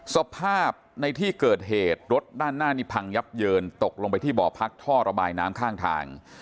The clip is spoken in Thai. สภาพในที่เกิดเหตุรถด้านหน้านี่พังยับเยินตกลงไปที่บ่อพักท่อระบายน้ำข้างทาง